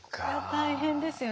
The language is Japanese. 大変ですよね。